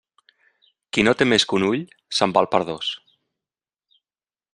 Qui no té més que un ull, se'n val per dos.